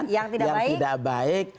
yang tidak baik yang tidak baik